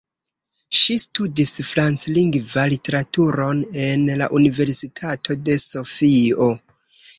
Ŝi studis Franclingva literaturon en la Universitato de Sofio.